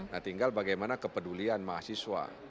nah tinggal bagaimana kepedulian mahasiswa